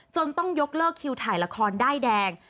ต้องยกเลิกคิวถ่ายละครด้ายแดง